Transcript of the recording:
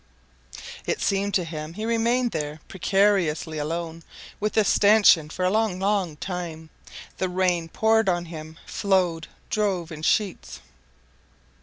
It seemed to him he remained there precariously alone with the stanchion for a long, long time. The rain poured on him, flowed, drove in sheets.